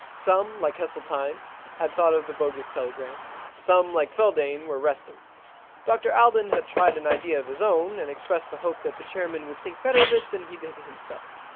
Some, . like Hesseltine, had thought of the bogus telegram. Some, like Feldane, were resting. Dr Alden had tried an idea of his own, and expressed the hope that the chair man would think better of it than he did himself.